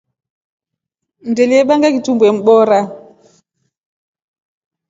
Ngindelye ibanga ngitumbwe mboora.